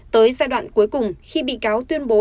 tới giai đoạn cuối cùng khi bị cáo tuyên bố